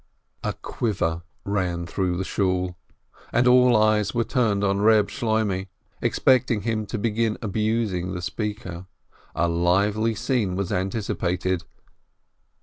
A quiver ran through the Shool, and all eyes were turned on Eeb Shloimeh, expecting him to begin abusing the speaker. A lively scene was anticipated.